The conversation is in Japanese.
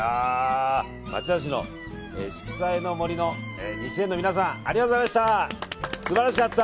町田市の四季彩の杜の西園の皆さんありがとうございました！